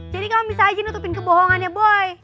jadi kamu bisa aja nutupin kebohongannya boy